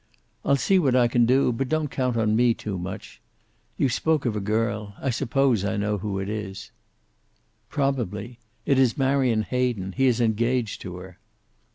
"I'll see what I can do. But don't count on me too much. You spoke of a girl. I suppose I know who it is." "Probably. It is Marion Hayden. He is engaged to her."